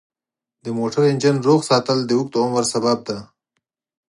د موټر انجن روغ ساتل د اوږد عمر سبب دی.